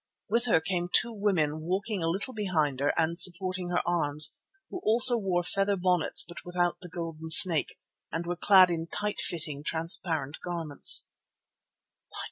With her came two women, walking a little behind her and supporting her arms, who also wore feather bonnets but without the golden snake, and were clad in tight fitting, transparent garments.